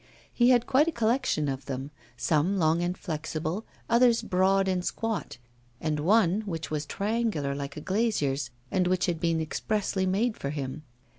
He had quite a collection of them, some long and flexible, others broad and squat, and one which was triangular like a glazier's, and which had been expressly made for him.